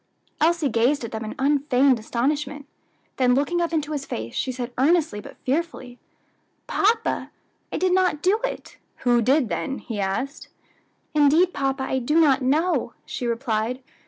Elsie gazed at them in unfeigned astonishment; then looking up into his face, she said earnestly but fearfully, "Papa, I did not do it." "Who did, then?" he asked. "Indeed, papa, I do not know," she replied.